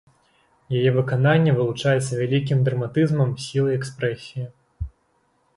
Яе выкананне вылучаецца вялікім драматызмам, сілай экспрэсіі.